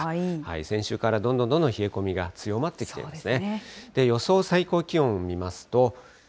先週からどんどんどんどん冷え込みが強まってきていますね。